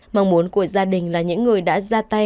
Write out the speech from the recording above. mong muốn của gia đình là những người đã ra tay